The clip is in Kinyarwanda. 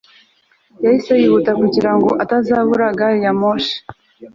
Yahise yihuta kugira ngo atazabura gari ya moshi